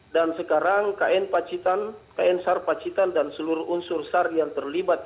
dan sekarang kn pacitan kn sar pacitan dan seluruh unsur sar yang terlibat